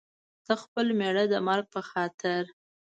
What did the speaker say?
د خپل مېړه د مرګ په خاطر.